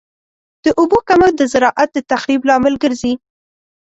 د اوبو کمښت د زراعت د تخریب لامل ګرځي.